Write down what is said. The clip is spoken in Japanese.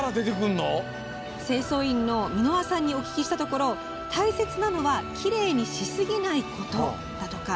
清掃員の箕輪さんにお聞きしたところ大切なのはきれいにしすぎないことだとか。